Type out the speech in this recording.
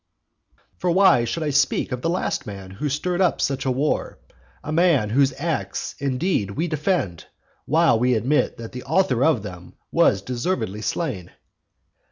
For why should I speak of the last man who stirred up such a war; a man whose acts, indeed, we defend, while we admit that the author of them was deservedly slain?